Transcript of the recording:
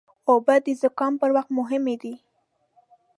اوبه د زکام پر وخت مهمې دي.